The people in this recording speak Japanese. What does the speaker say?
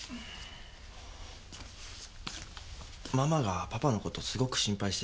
ママがパパの事すごく心配してる。